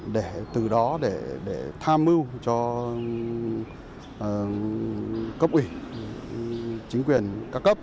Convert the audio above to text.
để từ đó để tham mưu cho cấp ủy chính quyền ca cấp